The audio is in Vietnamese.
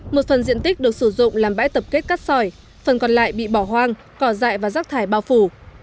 một phần diện tích được sử dụng làm bãi tập kết cát sỏi phần còn lại bị bỏ hoang cỏ dại và rác thải bao phủ